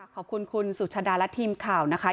ขอบคุณคุณสุชาดาและทีมข่าวนะคะ